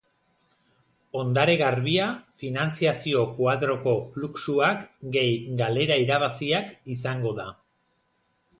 Ondare garbia, finantzazio-koadroko fluxuak gehi galera-irabaziak izango da.